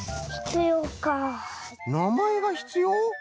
なまえがひつよう？